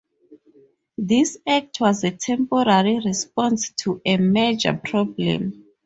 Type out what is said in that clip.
This act was a temporary response to a major problem.